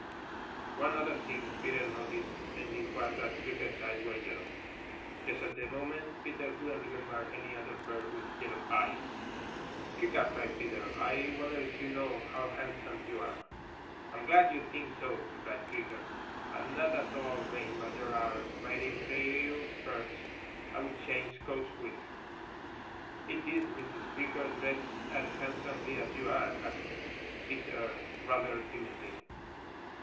One other thing Peter noticed and this was that Creaker's eyes were yellow. Just at the moment Peter couldn't remember any other bird with yellow eyes. "Creaker," cried Peter, "I wonder if you know how handsome you are!" "I'm glad you think so," replied Creaker. "I'm not at all vain, but there are mighty few birds I would change coats with." "Is is Mrs. Creaker dressed as handsomely as you are?" asked Peter rather timidly.